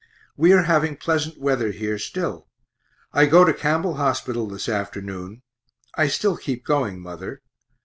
We are having pleasant weather here still. I go to Campbell hospital this afternoon I still keep going, mother.